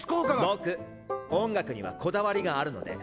僕音楽にはこだわりがあるので。